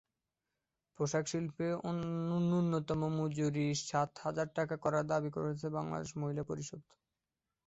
পোশাকশিল্পে ন্যূনতম মজুরি সাত হাজার টাকা করার দাবি করেছে বাংলাদেশ মহিলা পরিষদ।